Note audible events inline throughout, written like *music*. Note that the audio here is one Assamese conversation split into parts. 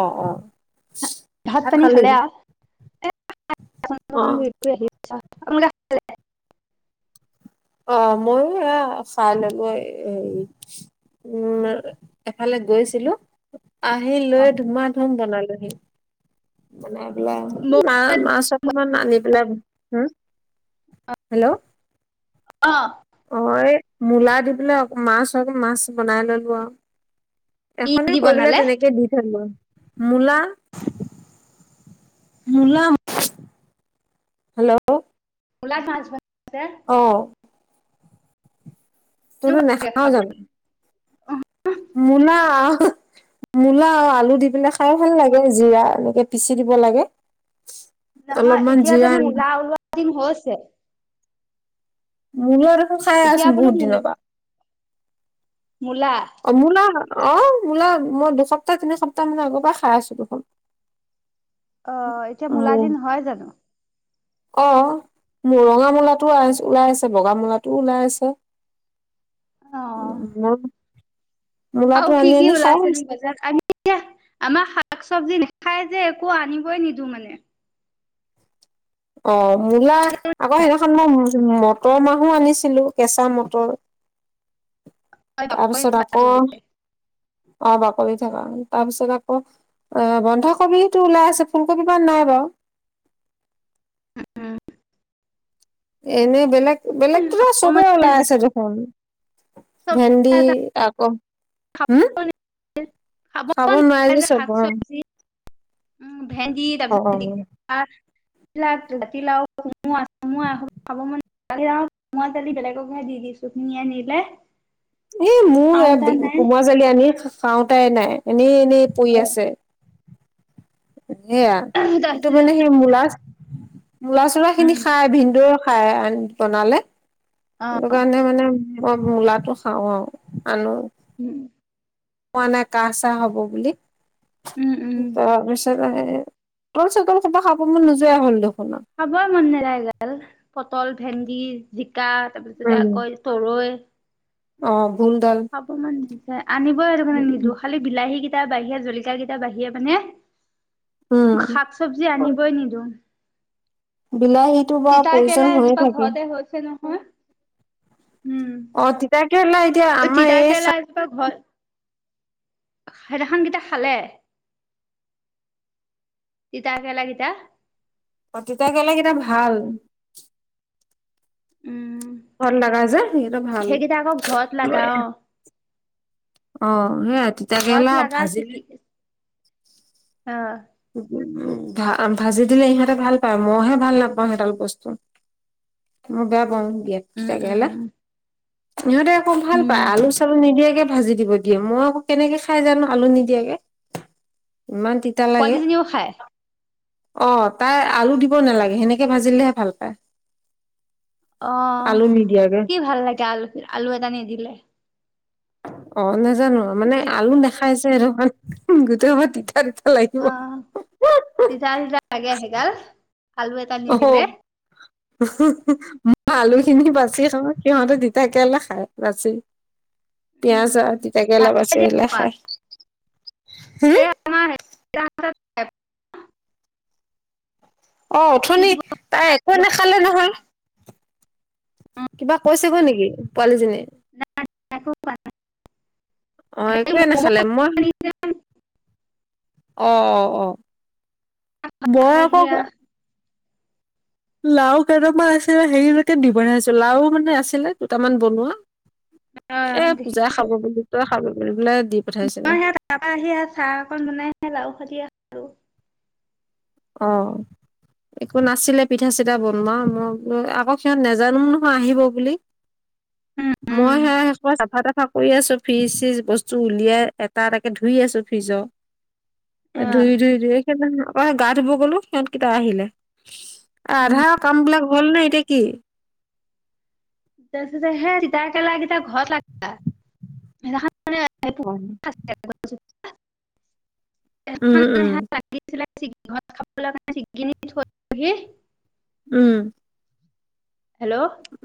অ অ ভাত পানী খালেি খালে আ এ আহি আপোনালোকে অ মইো এয়া খাই ললো হেৰি উম এফালে গৈছিলো আহি খালে লৈ ধুমা ধুম বনালোহি ন মা মাছ মই অকমান আনি পেলাই হম হেল্ল'। অ অ এই মূলা দি পেল মাছ হয় মাছ বনাই ললো আৰু ই এখনে দি কৈ পেলাই বনালে তেনেকে দি থাকো মূলা মলাম হেল্ল' ল আছ আহ তুমাৰ নেখাও যান অ মুনা মূলা আৰু আলু দি পিনে খাই ভাল লাগে জিৰা এনেকে পিচি দিব লাগে নহা অলপমান এতিয়া তম জিৰাই উল উল দিম হছে মল দেখোন খাই আচোন বোলো বহুত মূল দিনৰ পৰা মূলা অমোলা অ মোলা মই দুসপ্তাহ তিনি সপ্তাহ মান আগৰ পৰা খাই আছো দুখন অ এতিয়া মূল দিন হয় জানো অহ' মুৰঙা মূলা আ ওলাইছে, বগা মূলাটো ওলাইছে। উম ন অ কি কি ওলাইছে নো বজাৰ আমি এতিয়া আমাৰ শাক চবজি নেি খাই যে একো আনিবই নিদো মানে অহ' মূলা আকৌ, সেইদিনাখন মই মটৰ মাহো আনিছিলো কেঁচা মটৰ। তাৰপিছত আকৌ লজ অ বাকল থাককা তাৰপিছত আকৌ অ বন্ধাকবিো ওলাই আছে ফুলকবি ম নাই বাৰু উ এনেই বেলেগ, বেলেগটো চবে ওলাই আছে দেখোন। ভেন্দি আকৌ হম খাব খাব নোৱাৰি নাযায় যে শাক চব অ চবজি উম ভেন্দি অ অ তাৰপিছত দা এইলাক ৰাতিলাও কোমোম খাব ম কোম দালি বেলেগকহে দি দিছো নয়ানিল এ মোৰ কোমৰা জালি আনি খাওটাই নাই এনেই এনেই পৰি আছে। সেয়া কিন্তু তাৰপিছতে মানে সেই মূলা মূলা চূলা খিনি উম খাই ভিনন্দৰ খায় বনালে, সেইটো অ'। কাৰণে মানে মই মূলাটো খাওঁ আৰু আনো। উম, হোৱা নাই কাহ-চাহ হ'ব বুলি। উম, উম। এই ভোলছোলটোল খোবা খাব মন নোযাই হ'ল দেখোন। খাবই মন নাযায় *unintelligible* পটল ভেন্দি জি জিকা আৰু তাৰপিছতে উম আকৌ এই তৰৈ। অ। ভোল দাল খাব মন নাজাই আনিবই সেইটো কাৰণে নিদো খালি বিলাহী কি কেইটা বাঢ়িয়া জলকীয়া কেইটা বাঢ়িয়ে উম মানে। শাক চবজি আনিবই নিদিওঁ। বিলাহীটো বাৰু কেৰেলা প্ৰয়োজন হৈয়ে এজোপা থাকে। ঘৰতে হৈছে নহয়। উম, অ তিতাকেৰেলা এতিয়া আমাৰ এই চা হয়। সেইদিনাখন কেইটা খালে। তিতাকেৰেলা কিটা। অ', তিতাকেৰেলা কেইটা ভাল। উম *unintelligible* লাগা যে হেইটো ভাল সেইকেইটা আকৌ ঘৰত মই লাগাও অ', সেইয়াই ঘৰত তিতাকেৰেলা লগা ভাজিলে। চিকি অ। উম, ভা ভাজি দিলে ইহঁতে ভাল পায় মইহে ভাল নাপাওঁ সেইডাল বস্তু। মই বেয়া পাওঁ। উম তিতাকেৰেলা, উম সিহঁতে আকৌ ভাল উম পায় আলু-চালু নিদিয়াকে ভাজি দিব দিয়ে মই আকৌ কেনেকে খাই জানো আলু নিদিয়াকে, ইমান তিতা লাগে। *inaudible* অ', তাই আলু দিব নালাগে সেনেকে ভাজিলেহে ভাল পায়। অ, আলু নিদিয়াকে কি ভাল লাগে আলু, আলু এটা নিদিলে। অ', নাজানো মানে আলু তিতা নেখাই যে হেইটুকাৰণেই গোটেইখোপা তিতা, তি অ', তিতা-তিতা লাগে সেইগাল, আলু এটা নিদিলে। উম-হ মই আলু খিনি বাচি খাওঁ। সিহঁতে তিতাকেৰেলা খাই বাচি। উম পিয়াজ আ। হুম এই আমাৰ *inaudible* অ', উঠনি তাই একোয়ে নাখালে নহয়। পোৱালিজনিয়ে। *unintelligible* অ একোৱে নাখালে মই অ', অ', অ', মই খালে আকৌ সেয়া লাও কেইটামান আছিলে হেৰিলৈকে দি বনাইছো লাও মানে আছিলে দুটামান বনোৱা। অ এ পূজাই দেখিছো খাব বুলি *unintelligible* মই সেই তাৰ পৰা আহি আহ চাহ অকণ বনাই লাউ ভাজি আছোঁ। অ', একো নাছিলে পিঠা-চিঠা বনোৱা, মই বোলো আকৌ সিহঁত নোজানো নহয় আহিব বুলি। *inaudible* মই উম সে সে চাফা-তাফা কৰি আছো ফ্ৰিজ চিজ বস্তু উলিয়াই এটা এটাকে ধুই আছোঁ ফ্ৰিজৰ। আহ ধুই ধুই ধুই সেই গা ধুব গলো সিহঁতকেইটা আহিলে। আধা কাম বিলাক হ'ল নে এতিয়া কি। *unintelligible* সেই তিতা কেৰেলা কিটা ঘৰত *unintelligible* সেইদিনাখন *inaudible* উম উম, উ, উম। খাবণে চিগগিনহি উম হেল্ল'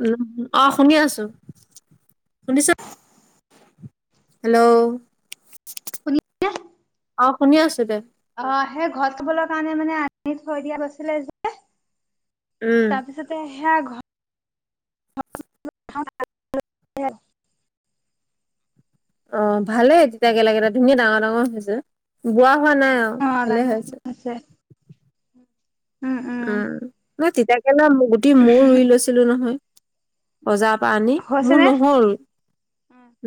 উ অ শুনি আছো শুনিছা হেল্ল' শুনি অ শুনি আছো দে অ সেই ঘৰ চাবলৈ কাৰণে মানে আনি থৈ দিয়া গৈছিলে যে উম তাৰপিছতে সেয়া ঘৰ অ ভালে তেতিয়া গেলে ধুনীয়া ডাঙৰ ডাঙৰ হৈছে বোৱা অোৱা নাই অ ভালে ডাঙৰ হৈ আছে হৈছে। উম ন তিতাকেলা গুটি ময় ৰুই লৈছিলো নহয় সজাৰ পৰা আনি হৈছে মোৰ নে? নহল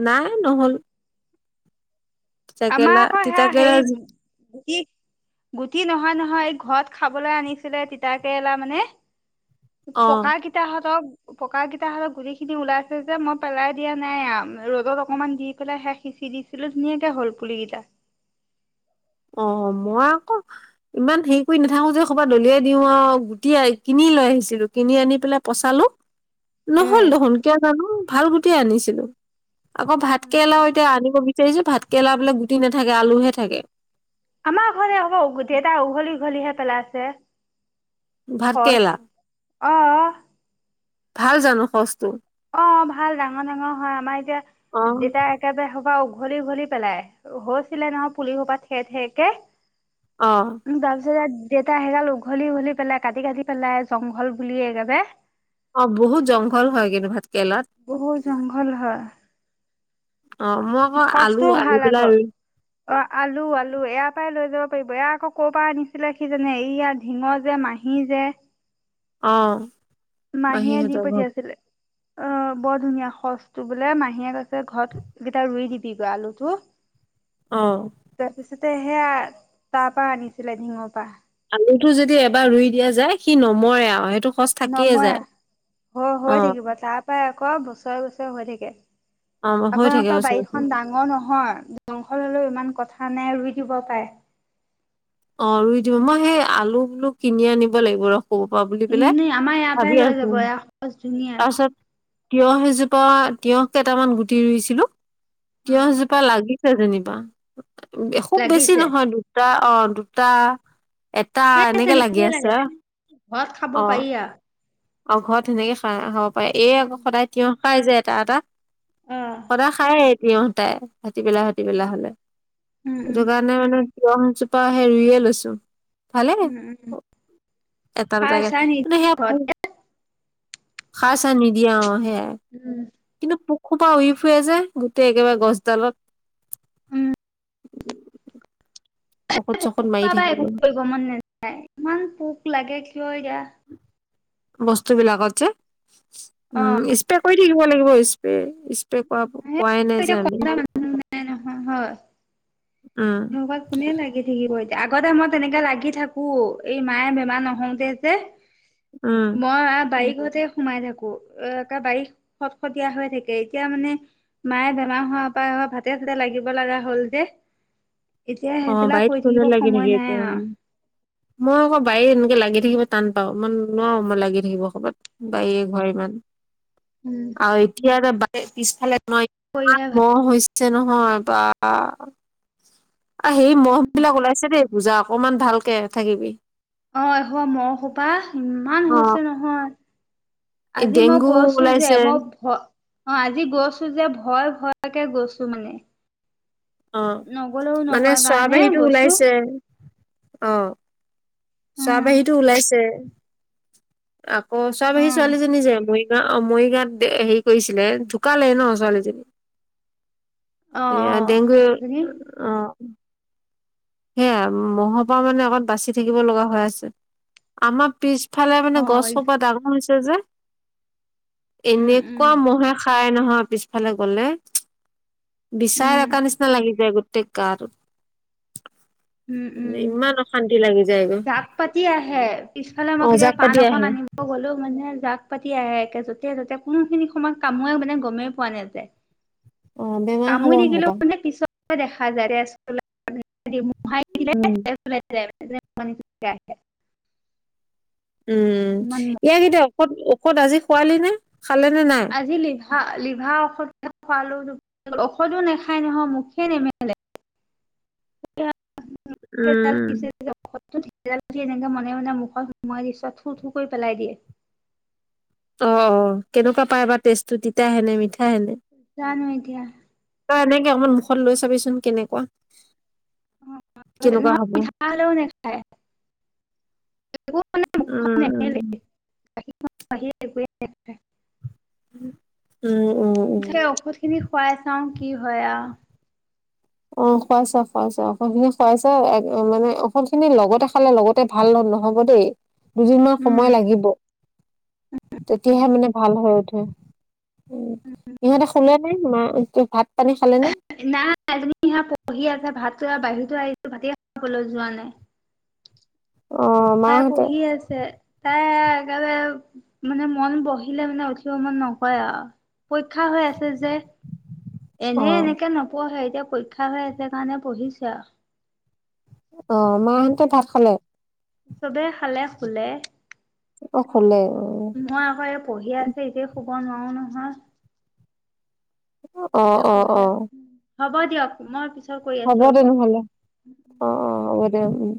নাই নহ'ল আমাৰ তিতাকেৰেলা আকৌ সেয়া তিতাকেৰেলা হেই গুটি গুটি নহয় নহয় ঘৰত খাবলৈ আনিছিলে তিতাকেৰেলা মানে অ পকা কেইটাহতক পক কেইটা হলেত গুলি খিনি ওলাইছে যে মই পেলাই দিয়া নাই আম ৰ'দত অকনমান দি পেলাই শেষ সিচ চিৰিছিলো নকে হ'ল পুলিিকেইটা অ মই আকৌ ইমান হেৰি কৰি নাথাকো যে কৰবাত দলিয়াই দিওঁ আৰু গুটি আহ কিনি লৈ আহিছো ছিলো কিনি আনি পেলাই পচালো নহল উম দে সোনকে জানো ভাল গোটেই আনিছিলো আকৌ উম। ভাতকেৰেলাও উম। এতিয়া আনিব বিচাৰিছো ভাত কেেৰেলা বোলে গুটি নাথাকে আলুহে থাকে আমাৰ ঘৰতে হ'ব এটা উঘলি উঘলিহে পেলাই আছে ভাৰতেেলা আহ ভাল জানো সচটো অ ভাল ডাঙৰ ডাঙৰ হয় আমাৰ অ এতিয়া দেতা একেবাৰে হ উঘলি উঘলি পেলাই হৈছিলে নহয় পুলি সো পৰা ঠেৰ ঠেৰকে অ উ তাৰ পিছত দেেতাই আহি গাল উঘলি উঘলি পেলাই কাটি কাটি পেলাই জংঘল বুলিয়োবে অ বহুত জংঘল হয় কিন্তু ভাত কেৰেলাত বহুত জংঘল হয়ে অ মই আকৌ আলু সজটোও আনি ভাল পেলাই আকৌ ৰুই অ আলু আলু এয়াৰ পৰাই লৈ যাব কৰিব এইয়া আকৌ কৰ'ৰ পৰা আনিছিলে সিজনে এইয়া ঢিঙ যে মাহী যে আহ মাহীয়ে দি পঠিয়াইছিলে অ বৰ ধুনীয়া সজো বোলে মাহীয়ে ক ঘৰত কেইটা ৰুই দিবিগৈ আলুটো আহ তে সেয়া তাৰপৰা আনিছিলে িঙ পৰা লটো যদি এবাৰ ৰুই দিয়া যায় সি নমৰে আৰু সেইটো সচ থাকিয়ে যায় নময়া হৈ অ হৈ থাকিব তাৰ পৰাই আকৌ বছৰে বছৰে হৈ থাকে অ হৈ থাকে আপোনালোকৰ ওচৰে ওচৰে বাৰীখনন ডাঙৰ নহয় জংঘল হলেও ইমান কথা নাই ৰুই দিব পাৰে। অ ৰুই দিব মই সেই আলু বলু কিনি আনিব লাগিব ৰ ক'ব পাৰ বুলি পেলাই উম আমাৰ ইয়াৰ পৰাই ভাবি লৈ আছো যাব এয়া সচ ধুনীয়া তাৰপিছত তিয়হ এজোপা তিয়হ কেইটামান গুটি ৰুইছিলো তিয়হ এজোপা অ লাগি যেনিবা খুব বেছি লাগিছে নহয় দুটা অ দুটা এটা হে এনেকে লাগি তেনেকে লাগে আছে ঘৰত খাব অ পাৰি আৰু। অ ঘৰত সেনেকে খাই হব পাৰে এই আকৌ সদায় উম তিয়হ খাই যে এটা এটা আহ সদায় খায় এতিহতাই হাটি পেলা সাটি পেলা উম হলে উম সেইটো কাৰণে মানে কিয়মজোপা হেৰুয়ে লৈছো। ভালে উম উম এটাৰ সাৰ জেগাত চাৰ কিন্তু সেয়া নিদিয়ে পোক ঘৰতে। খৰাই চৰাই নিদিয় অ হেয়াই উম কিন্তু পোক খোপা উৰি ফুৰে যে গোটেই একেবাৰে গছডালত উম ঔষধ চৌষধ মাৰি োক একো থাকিলো কৰিব মন নেযায় ইমান পোক লাগে কিয় এতিিয়য়া বস্তু বিলাকত যে অ উম স্প্ৰে কৰি দ দ লাগিব স্প্ৰে স্প্ৰে কৰা সেই কোৱাই নাই যে এতিয়া আমি উম নবাত কোনে লাগি থাকিব এতিয়া আগতে মই তেনেকে লাগি থাকো এই মায়ে বেমাৰ নহওঁতে যে উম মই বাৰকত তে সোমাই থাকো এ এ বাৰী খটখটীয়া হৈ থাকে এতিয়া মানে মায়ে বেমাৰ হোৱা প ভাতে চাতে লাগিব লগা হ'ল যে এতিয়া অ সেইবিলাক বাৰীত কৰি কৰিব থাকিব লাগি সময় নেকি নাই এতিয়া আৰু। মই আকৌ বাৰীত এনেকে লাগি থাকিব টান পাওঁ ইই নোৱাৰো মই লাগি থাকিব ক'ৰবাত গাৰে ঘৰ ইমান উম, আৰু এতিয়া ব পিছফালে মই ইমান কৰিহে ভাল। মহ হৈছে ছে নহয় বা সেই মহ উম, বিলাক ওলাইছে দেই বুজা অকমান ভালকে থাকিবি অ এশ ম সোপাহ ইমান অ হৈছে নহয় এই আজি মই ডেংগু গৈছো যে ওলাইছে মই ভ অ আজি গৈছো যে ভয় ভয় াকে গৈছো মানে অ নগলেও মানে নহয় চৰা কাৰণে বাহীটো গৈছো ওলাইছে অ চাহ উম, বাহীতো ওলাইছে আকৌ চব সি উম, ছোৱালীজনী যে মই অ মৰিগাঁত হেৰি কৰিছিলে ঢুকালে ন ছোৱালীজনী অ', এ অ'। ডেংগু জনী অ সেয়া মহৰ পৰা মানে আকত বাচি থাকিব লগা হৈ আছে আমাৰ পিছ ইফালে মানে গছ অ'। সোপা ডাঙৰ হৈছে যে উম, উম, এনেকুৱা মহে খাই নহয় পিছফালে গলে বিচাৰ উম, এক নিচিনা লাগি যায় গোেই তে কাৰ উ উম উম লাগি যায়গৈ জাক পাতি আহে পিছফালে অ মই জাক কেতিয়াবা পাণ পাতি অকণ আহে আনিম গ'লো মানে জাক পাতি আহে একে য'তে য'তে কোনোখিনি সময় কামোোৱে মানে গমেই পোৱা নাযায় অ বেমাৰ হ'ব কামুই হব থাকিলেও ম নে পিছত দেখা যায়ুল মোহাই দিলে উম মান উম ইয়াকেইতিয়া ঔষধ ঔষধ আজি খোৱালি নে খালে নে নাই? আজি লিভা লিভা স খোৱালো ন ঔষধো নাখায় নহয় মুখে নেমেে উম। প ি এনেকে মনে মনে মুখত সোমোৱাই দৃশত থু থু কৰি পেলাই দিয়ে অ অ কেনেকুৱা পাই বা টেষ্ট টো তিতাই হেনে মিঠা জান হৈতিিয়য়া আমাৰ মুখত লৈ চাবিচোন কেনেকুৱা কেনেকুৱা হ'ব। ন ল নে খাই উম উম বাহিৰে একোৱে নেখায় উ ঔষধখিনি খুৱাই চাওঁ কি হয় আ অ' খুৱাইছা খুৱাইছা অসুট খিনি খুৱাইছা মানে অসুট খিনি লগতে খালে লগতে ভাল নহ নহব দেই দুদিনমান উম সময় লাগিব তেতিয়াহে মানে ভাল হৈ উঠে উ ইহঁতে শুলে নাই মা ভাত পানী খালে নে? নাই তুমি হা পঢ়ি আছে ভাত বাহিৰতো আহিছো ভাতেই খাবলৈ যোৱা নাই অ', তাই মাহঁতে পঢ়ি আছে এ একেবাৰে মানে মন বহিলে মানে উঠিব মন নকয় আৰু পৰীক্ষা হৈ আছে যে এনে অ', এনেকে নপঢ়ে এ এতিয়া পৰীক্ষা হৈ আছে কাৰণে পঢ়িছে আৰু অ' মাহতে ভাত খালে চবে খালে খুলে অ খোলে মই আকৌ এই পঢ়ি আছে এতিয়া শুব নোৱাৰো নহয় অ' অ' পঢ়ে অ' হ'ব দিয়ক মই পিছত কৰি হ'ব আছো দে ৰ'ব। নহ'লে অ' অ' হ'ব দে উম